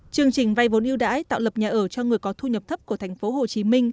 chương trình vay vốn yêu đãi tạo lập nhà ở cho người có thu nhập thấp của tp hcm